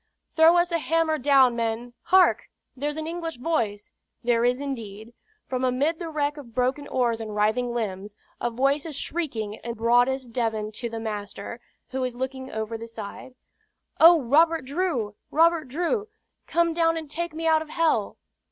"Throw us a hammer down, men. Hark! there's an English voice!" There is indeed. From amid the wreck of broken oars and writhing limbs, a voice is shrieking in broadest Devon to the master, who is looking over the side: "Oh, Robert Drew! Robert Drew! Come down and take me out of hell!"